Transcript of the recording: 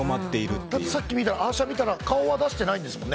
だってさっきアー写見たら顔は出してないんですもんね？